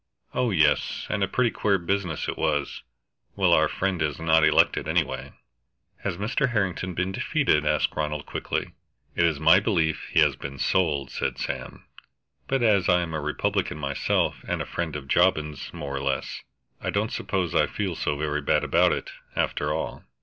"Oh yes, and a pretty queer business it was. Well, our friend is not elected, anyway" "Has Mr. Harrington been defeated?" asked Ronald quickly. "It's my belief he has been sold," said Sam. "But as I am a Republican myself and a friend of Jobbins, more or less, I don't suppose I feel so very bad about it, after all.